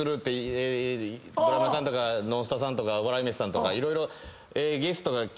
ブラマヨさんとかノンスタさんとか笑い飯さんとか色々ゲストが来て。